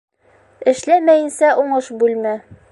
Эшләмәйенсә уңыш бүлмә.